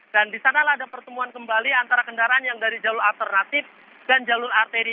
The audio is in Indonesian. dan disanalah ada pertemuan kembali antara kendaraan yang dari jalur alternatif dan jalur arteri